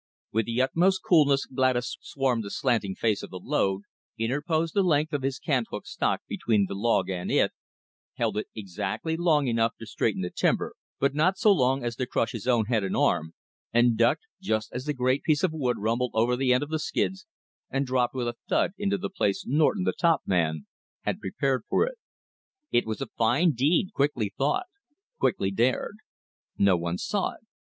With the utmost coolness Gladys swarmed the slanting face of the load; interposed the length of his cant hook stock between the log and it; held it exactly long enough to straighten the timber, but not so long as to crush his own head and arm; and ducked, just as the great piece of wood rumbled over the end of the skids and dropped with a thud into the place Norton, the "top" man, had prepared for it. It was a fine deed, quickly thought, quickly dared. No one saw it.